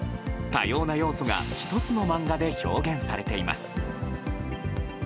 多様な要素が１つの漫画で表現されています。